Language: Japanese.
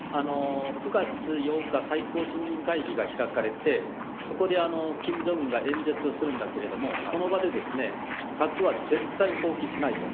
９月８日最高人民会議が開かれてそこで金正恩が演説するんだけれどもその場で、核は絶対に放棄しないと。